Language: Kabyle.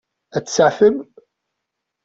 Ad tt-tseɛfem?